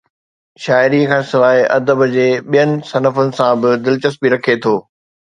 شاعري کان سواءِ ادب جي ٻين صنفن سان به دلچسپي رکي ٿو